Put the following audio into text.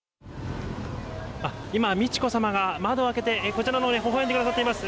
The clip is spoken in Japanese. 今、美智子さまが窓を開けて、こちらのほうへほほえんでくださっています。